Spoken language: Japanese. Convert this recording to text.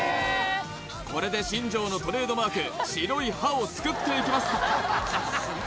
これで新庄のトレードマーク白い歯を作っていきます